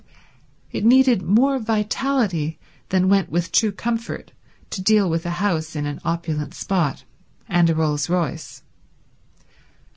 It needed more vitality than went with true comfort to deal with a house in an opulent spot and a Rolls Royce.